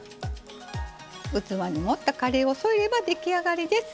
器に盛ったカレーを添えれば出来上がりです。